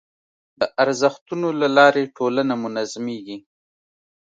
د ارزښتونو له لارې ټولنه منظمېږي.